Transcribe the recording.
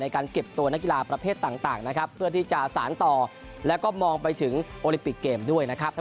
การเก็บตัวนักกีฬาประเภทต่างนะครับเพื่อที่จะสารต่อแล้วก็มองไปถึงโอลิมปิกเกมด้วยนะครับ